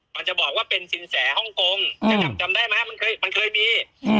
มันจะบอกว่าเป็นสินแสฮ่องกงจะจำได้ไหมมันเคยมี